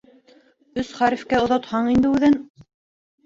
Өс хәрефкә оҙатһаң инде үҙен.